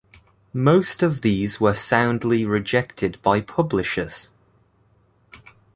Most of these were soundly rejected by publishers.